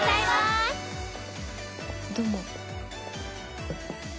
どうも。